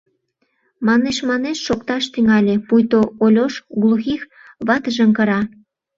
Манеш-манеш шокташ тӱҥале, пуйто Ольош Глухих ватыжым кыра.